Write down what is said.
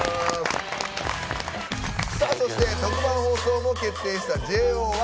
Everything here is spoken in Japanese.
そして特番放送も決定したＪＯ１。